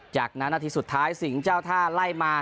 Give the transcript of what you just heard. จากนั้นนาทีสุดท้ายสิงห์เจ้าท่าไล่มา